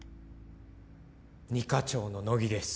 ２課長の乃木です